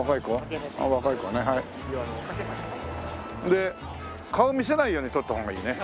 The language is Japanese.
で顔見せないように撮った方がいいね。